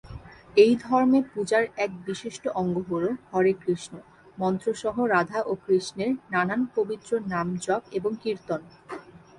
এই ধর্মে পূজার এক বিশিষ্ট অঙ্গ হল "হরে কৃষ্ণ" মন্ত্র সহ রাধা ও কৃষ্ণের নানান পবিত্র নাম জপ এবং কীর্তন।